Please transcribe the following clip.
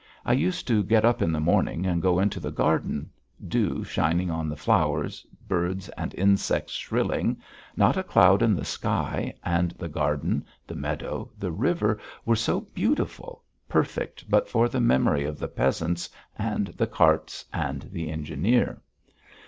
I used to get up in the morning and go into the garden dew shining on the flowers, birds and insects shrilling, not a cloud in the sky, and the garden, the meadow, the river were so beautiful, perfect but for the memory of the peasants and the carts and the engineer.